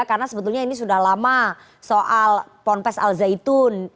karena sebetulnya ini sudah lama soal ponpes al zaitun